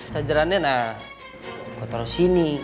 sajarannya nah gue taruh sini